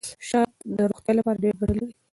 شات د روغتیا لپاره ډېره ګټه لري.